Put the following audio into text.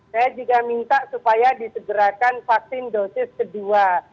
saya juga minta supaya disegerakan vaksin dosis kedua